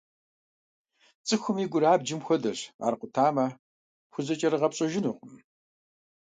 ЦӀыхум и гур абджым хуэдэщ, ар къутамэ, пхузэкӀэрыгъэпщӀэжынукъым.